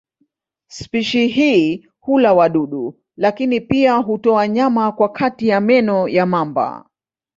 Spishi hii hula wadudu lakini pia hutoa nyama kwa kati ya meno ya mamba.